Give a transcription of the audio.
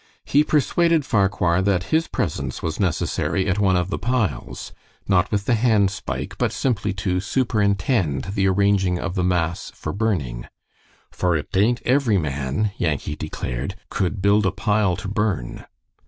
He persuaded Farquhar that his presence was necessary at one of the piles, not with the hand spike, but simply to superintend the arranging of the mass for burning. "For it ain't every man," Yankee declared, "could build a pile to burn."